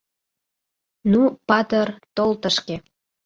— Ну, патыр, тол тышке!